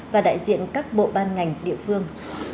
và đại diện các bộ ban ngành địa phương